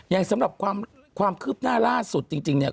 สำหรับความคืบหน้าล่าสุดจริงเนี่ย